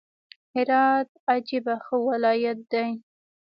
هرات عجبه ښه ولايت دئ!